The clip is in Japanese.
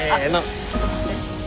あっちょっと待って。